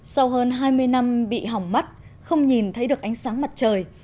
sau hơn hai mươi năm bị hỏng mắt không nhìn thấy được ánh sáng mặt trời